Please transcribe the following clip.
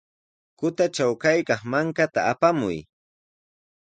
Kutatraw kaykaq mankata apamuy.